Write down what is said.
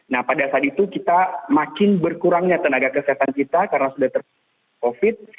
nah pada saat itu kita makin berkurangnya tenaga kesehatan kita karena sudah ter covid